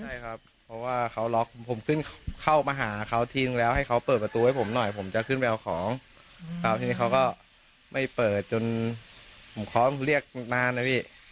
ใช่ครับเพราะว่าเขาล็อกผมขึ้นเข้ามาหาเขาทีนึงแล้วให้เขาเปิดประตูให้ผมหน่อยผมจะขึ้นไปเอาของแล้วทีนี้เขาก็ไม่เปิดจนผมเคาะเรียกนานนะพี่